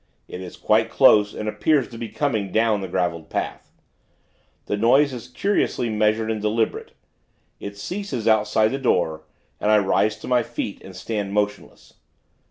It is quite close, and appears to be coming down the graveled path. The noise is curiously measured and deliberate. It ceases outside the door; and I rise to my feet, and stand motionless.